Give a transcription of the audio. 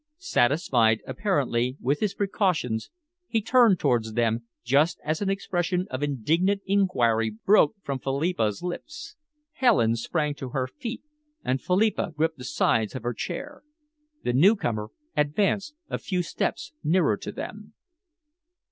Satisfied, apparently, with his precautions, he turned towards them just as an expression of indignant enquiry broke from Philippa's lips. Helen sprang to her feet, and Philippa gripped the sides of her chair. The newcomer advanced a few steps nearer to them.